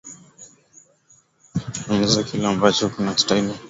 anaeleza kile ambacho kinastahili kufanywa dhidi ya julian sanch